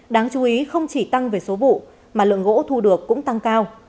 đáng chú ý không chỉ tăng về số vụ mà lượng gỗ thu được cũng tăng cao